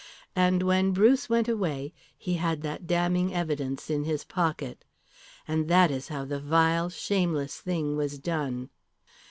And when Bruce went away he had that damning evidence in his pocket. And that is how that vile, shameless thing was done."